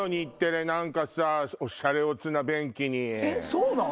そうなん？